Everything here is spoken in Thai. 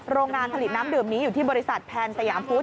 โรงงานผลิตน้ำดื่มนี้อยู่ที่บริษัทแพนสยามฟุต